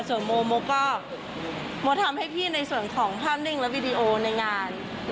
ส่วนโมโมก็โมทำให้พี่ในส่วนของภาพนิ่งและวิดีโอในงาน